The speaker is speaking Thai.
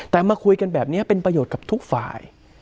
แต่มาคุยกันแบบนี้เป็นประโยชน์กับทุกฝ่าย